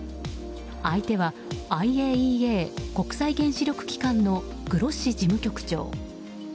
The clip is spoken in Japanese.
相手はＩＡＥＡ・国際原子力機関のグロッシ事務局長。